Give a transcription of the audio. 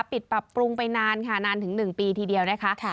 ปรับปรุงไปนานค่ะนานถึง๑ปีทีเดียวนะคะ